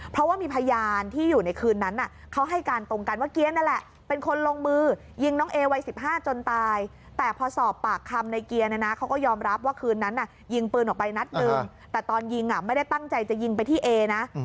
เพราะว่ามีพยานที่อยู่ในคืนนั้นเขาให้การตรงกันว่าเกี๊ยร์นั่นแหละ